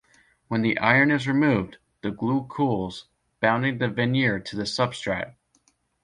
When the iron is removed, the glue cools, bonding the veneer to the substrate.